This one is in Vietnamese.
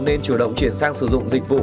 nên chủ động chuyển sang sử dụng dịch vụ